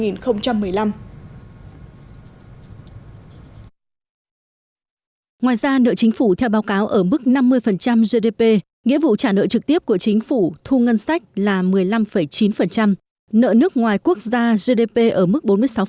ngoài ra nợ chính phủ theo báo cáo ở mức năm mươi gdp nghĩa vụ trả nợ trực tiếp của chính phủ thu ngân sách là một mươi năm chín nợ nước ngoài quốc gia gdp ở mức bốn mươi sáu